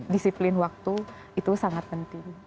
disiplin waktu itu sangat penting